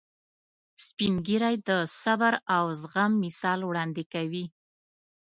سپین ږیری د صبر او زغم مثال وړاندې کوي